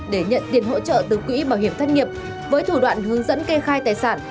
để nhận tiền hỗ trợ từ quỹ bảo hiểm thất nghiệp với thủ đoạn hướng dẫn kê khai tài sản